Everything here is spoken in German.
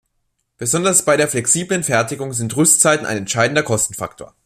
Besonders bei der flexiblen Fertigung sind Rüstzeiten ein entscheidender Kostenfaktor.